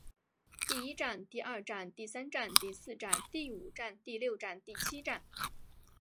第一战第二战第三战第四战第五战第六战第七战